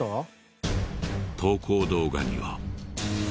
投稿動画には。